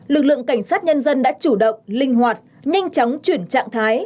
lực lượng cảnh sát nhân dân đã chủ động linh hoạt nhanh chóng chuyển trạng thái